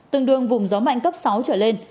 tương đương vùng gió mạnh cấp sáu trở lên